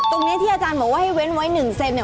ตรงนี้ที่อาจารย์บอกว่าให้เว้นไว้๑เซนเนี่ย